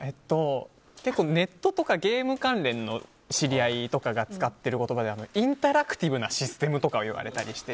結構ネットとかゲーム関連の知り合いとかが使ってる言葉でインタラクティブなシステムとか。